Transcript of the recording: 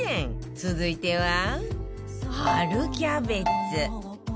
続いては春キャベツ